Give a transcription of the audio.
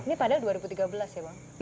ini padahal dua ribu tiga belas ya bang